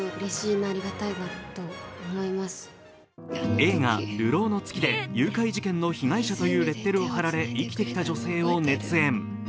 映画「流浪の月」で誘拐事件の被害者というレッテルを貼られ、生きてきた女性を熱演。